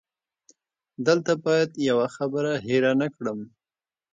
دلته باید یوه خبره هېره نه کړم.